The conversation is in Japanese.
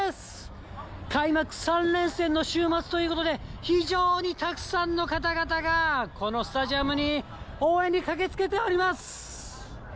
開幕３連戦の週末ということで、非常にたくさんの方々が、このスタジアムに応援に駆けつけております。